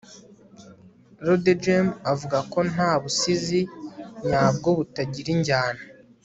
rodegem avuga ko nta busizi nyabwobutagira injyana